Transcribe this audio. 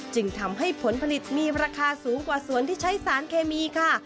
จึงทำให้ผลผลิตมีราคาสูงกว่าสวนที่ใช้สารเคมีค่ะ